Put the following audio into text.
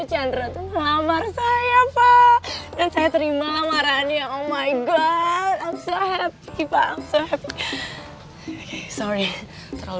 chandra melamar saya apa dan saya terima lamarannya oh my god i'm so happy sorry terlalu